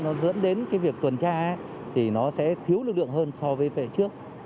nó dẫn đến việc tuần tra thì nó sẽ thiếu lực lượng hơn so với phía trước